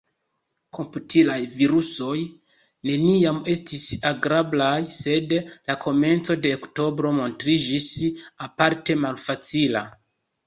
Komputilaj virusoj neniam estis agrablaj, sed la komenco de oktobro montriĝis aparte malfacila.